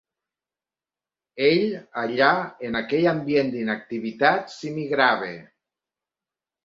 Ell, allà, en aquell ambient d'inactivitat, s'hi migrava.